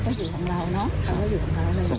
เราก็อยู่ของเราน่ะเราอยู่ของเราน่ะ